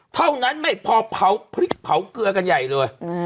เท่านั้นไม่พอเผาพริกเผาเกลือกันใหญ่เลย